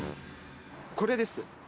これです。